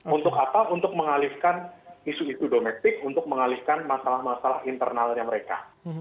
untuk apa untuk mengalihkan isu isu domestik untuk mengalihkan masalah masalah internalnya mereka